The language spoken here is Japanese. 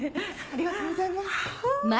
ありがとうございます。